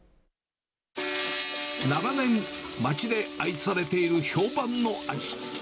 長年、街で愛されている評判の味。